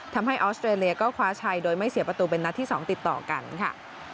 ออสเตรเลียก็คว้าชัยโดยไม่เสียประตูเป็นนัดที่๒ติดต่อกันค่ะ